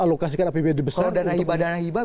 alokasikan apbd besar kalau dana hibah dana hibah